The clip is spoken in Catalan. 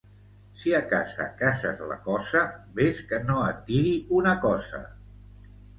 Si a casa caces la cosa, ves que no et tiri una cossa